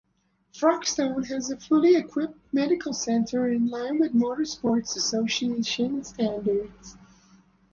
Thruxton has a fully equipped medical centre in line with Motor Sports Association standards.